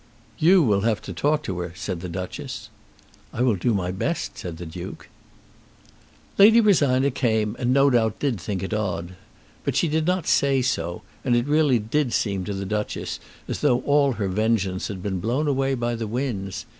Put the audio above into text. "You will have to talk to her," said the Duchess. "I will do my best," said the Duke. Lady Rosina came and no doubt did think it odd. But she did not say so, and it really did seem to the Duchess as though all her vengeance had been blown away by the winds.